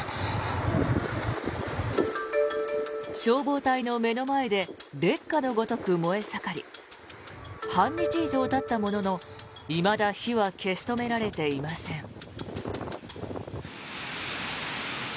消防隊の目の前で烈火のごとく燃え盛り半日以上たったもののいまだ火は消し止められていません。